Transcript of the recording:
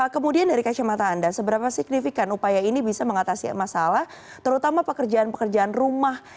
kemudian dari kacamata anda seberapa signifikan upaya ini bisa mengatasi masalah terutama pekerjaan pekerjaan rumah